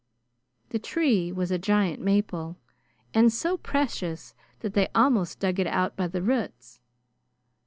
The tree was a giant maple, and so precious that they almost dug it out by the roots.